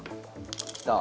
きた！